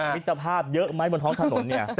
มิตรภาพเยอะไหมบนท้องถนนเนี่ย